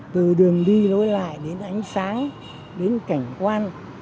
từ đường đi lối lại đến ánh sáng đến cảnh quan